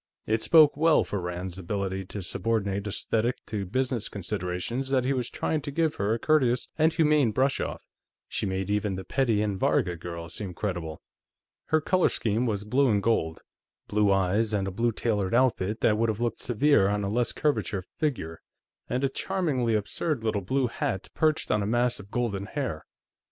It spoke well for Rand's ability to subordinate esthetic to business considerations that he was trying to give her a courteous and humane brush off. She made even the Petty and Varga girls seem credible. Her color scheme was blue and gold; blue eyes, and a blue tailored outfit that would have looked severe on a less curvate figure, and a charmingly absurd little blue hat perched on a mass of golden hair.